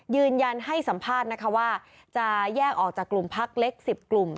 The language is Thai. ยืนยันให้สัมภาษณ์นะคะว่าจะแยกออกจากกลุ่มพักเล็ก๑๐กลุ่ม